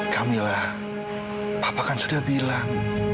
kamilah papa kan sudah bilang